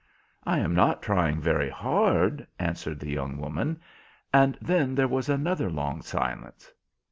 "I am not trying very hard," answered the young woman; and then there was another long silence.